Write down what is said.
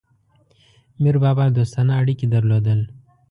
میربابا دوستانه اړیکي درلودل.